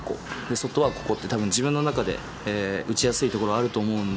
外はここって多分自分の中で打ちやすいところあると思うんで。